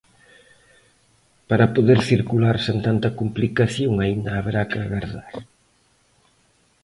Para poder circular sen tanta complicación aínda haberá que agardar.